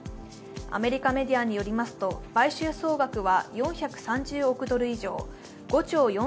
アメリカメディアによりますと、買収総額は４３０億ドル以上、５兆４０００億円